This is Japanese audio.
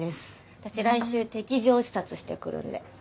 私来週敵情視察してくるんで。